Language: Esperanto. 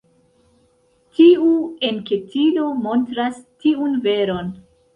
Tiu enketilo montras tiun veron.